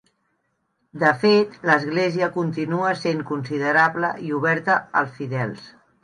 De fet, l'església continua sent considerable i oberta als fidels.